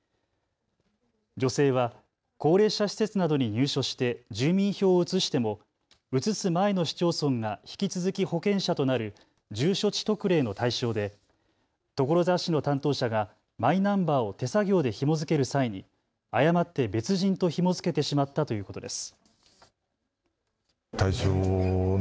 女性は高齢者施設などに入所して住民票を移しても移す前の市町村が引き続き保険者となる住所地特例の対象で所沢市の担当者がマイナンバーを手作業でひも付ける際に誤って別人とひも付けてしまったということです。